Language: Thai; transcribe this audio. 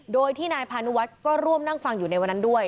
โดยที่นายพานุวัฒน์ก็ร่วมนั่งฟังอยู่ในวันนั้นด้วย